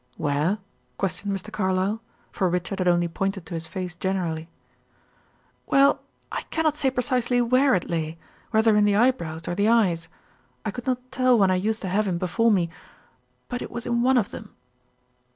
"Where?" questioned Mr. Carlyle, for Richard had only pointed to his face generally. "Well I cannot say precisely where it lay, whether in the eyebrows or the eyes; I could not tell when I used to have him before me; but it was in one of them.